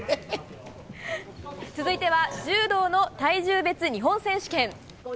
続いては柔道体重別日本選手権。